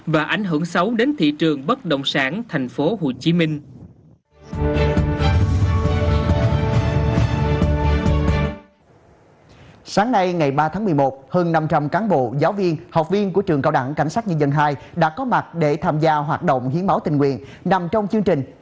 và ảnh hưởng xấu đến thị trường bất động sản thành phố hồ chí minh